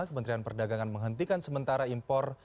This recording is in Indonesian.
kementerian perdagangan menghentikan sementara impor